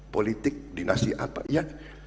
politik dinasti apa